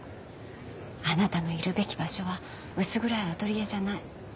あなたのいるべき場所は薄暗いアトリエじゃない。